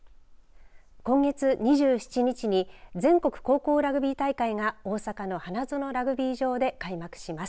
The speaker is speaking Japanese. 今月２７日に全国高校ラグビー大会が大阪の花園ラグビー場で開幕します。